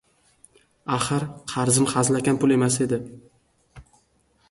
– Axir qarzim hazilakam pul emas edi.